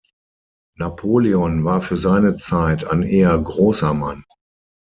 Napoleon war für seine Zeit ein eher großer Mann.